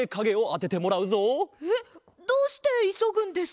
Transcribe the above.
えっどうしていそぐんですか？